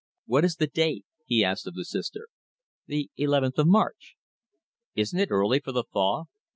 "What is the date?" he asked of the Sister. "The eleventh of March." "Isn't it early for the thaw?"